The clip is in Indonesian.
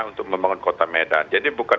untuk membangun kota medan jadi bukan